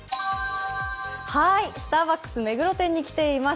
スターバックス目黒店に来ています。